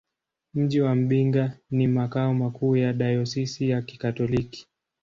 Mji wa Mbinga ni makao makuu ya dayosisi ya Kikatoliki.